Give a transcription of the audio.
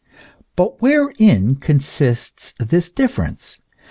But wherein consists this difference?